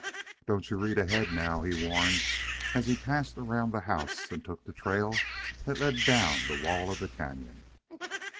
"Don't you read ahead, now," he warned, as he passed around the house and took the trail that led down the wall of the canon.